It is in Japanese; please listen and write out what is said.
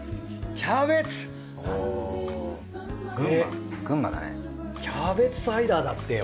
キャベツサイダーだってよ。